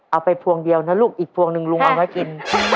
พวงเดียวนะลูกอีกพวงหนึ่งลุงเอาไว้กิน